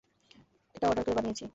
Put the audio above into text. এটা অর্ডার করে বানিয়েছি।